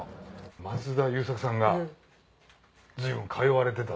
松田優作さんが随分通われてたと。